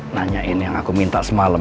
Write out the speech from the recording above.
nanyain yang aku minta semalam